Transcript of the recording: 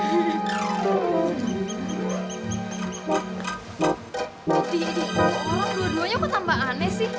dih orang dua duanya kok tambah aneh sih